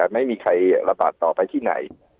ไม่มีใครระบาดต่อไปที่ไหน